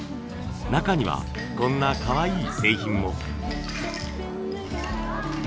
中にはこんなかわいい製品も。